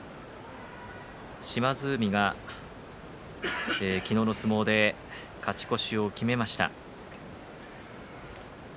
島津海は昨日の相撲で勝ち越しを決めました。